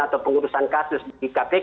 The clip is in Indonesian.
atau pengurusan kasus di kpk